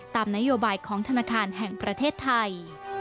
ตามนโยบายของธนาคารแห่งประเทศไทย